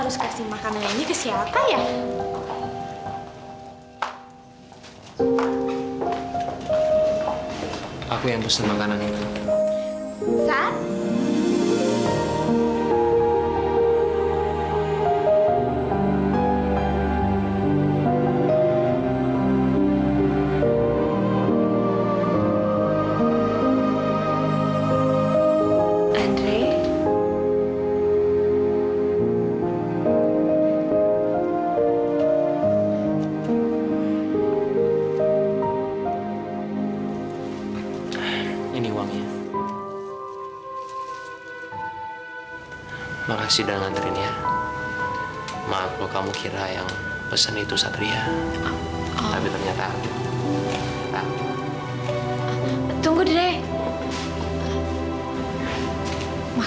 sampai jumpa di video selanjutnya